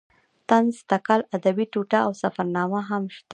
طنز تکل ادبي ټوټه او سفرنامه هم شته.